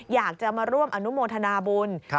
อยากจะมาร่วมอนุโมทนาบุญ